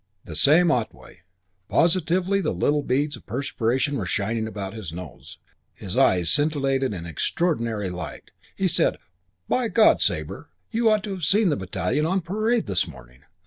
The same Otway! Positively the little beads of perspiration were shining about his nose. His eyes scintillated an extraordinary light. He said, "By God, Sabre, you ought to have seen the battalion on parade this morning!